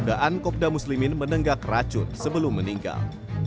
dan kemudian kopda muslimin menenggak racun sebelum meninggal